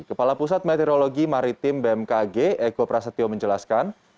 kepala pusat meteorologi maritim bmkg eko prasetyo menjelaskan